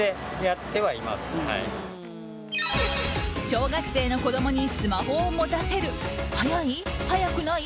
小学生の子供にスマホを持たせる早い？